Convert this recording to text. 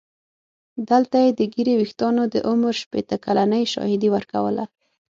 دلته یې د ږیرې ویښتانو د عمر شپېته کلنۍ شاهدي ورکوله.